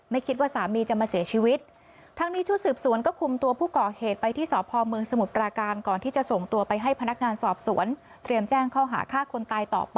คิดว่าสามีจะมาเสียชีวิต